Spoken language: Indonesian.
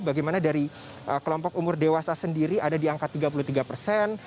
bagaimana dari kelompok umur dewasa sendiri ada di angka tiga puluh tiga persen